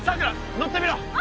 乗ってみろ。